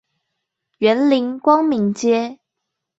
員林光明街